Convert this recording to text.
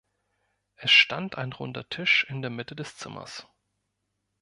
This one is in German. Es stand ein runder Tisch in der Mitte des Zimmers.